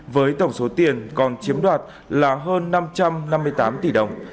với tổng số tiền còn chiếm đoạt là hơn năm trăm năm mươi tám tỷ đồng